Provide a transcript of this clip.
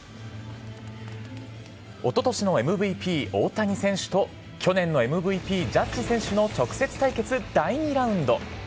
おととしのＭＶＰ、大谷選手と去年のＭＶＰジャッジ選手の直接対決第２ラウンド。